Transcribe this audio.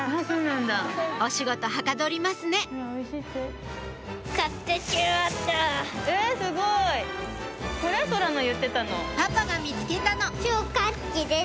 お仕事はかどりますねえすごい！パパが見つけたのしょうかきです。